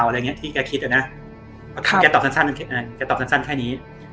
อะไรอย่างนี้ที่แกคิดแล้วแกตอบสั้นแค่นี้